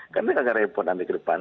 karena dia agak repot nanti ke depan